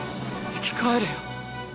生き返れよ。